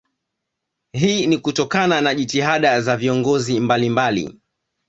Hii ni kutokana na jitihada za viongozi mbalimbali